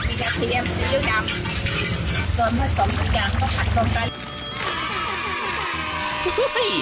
แล้วก็มีเผือกกะหมูก็มีพริกมีกระเทียมซีอิ๊วดำ